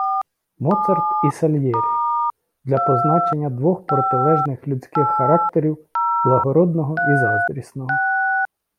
Моцарт і Сальєрі - для позначення двох протилежних людських характерів, благородного і заздрісного